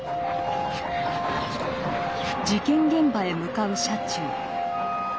事件現場へ向かう車中。